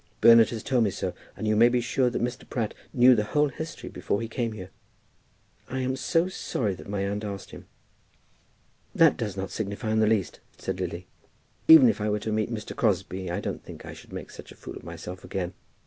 "Bernard has told me so; and you may be sure that Mr. Pratt knew the whole history before he came here. I am so sorry that my aunt asked him." "It does not signify in the least," said Lily. "Even if I were to meet Mr. Crosbie I don't think I should make such a fool of myself again.